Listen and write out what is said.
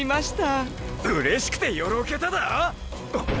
うれしくてよろけただァ⁉！